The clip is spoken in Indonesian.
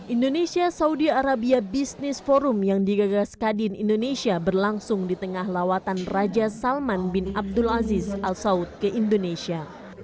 indonesia saudi arabia business forum yang digagas kadin indonesia berlangsung di tengah lawatan raja salman bin abdul aziz al saud ke indonesia